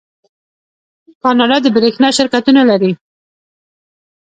کاناډا د بریښنا شرکتونه لري.